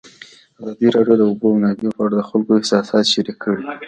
ازادي راډیو د د اوبو منابع په اړه د خلکو احساسات شریک کړي.